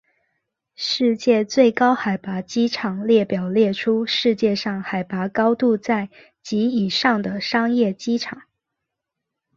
世界最高海拔机场列表列出世界上海拔高度在及以上的商业机场。